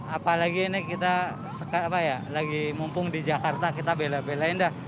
apalagi ini kita lagi mumpung di jakarta kita bela belain dah